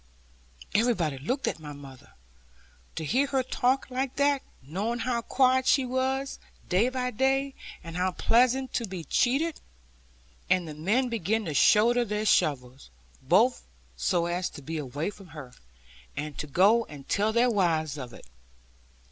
Everybody looked at mother, to hear her talk like that, knowing how quiet she was day by day and how pleasant to be cheated. And the men began to shoulder their shovels, both so as to be away from her, and to go and tell their wives of it.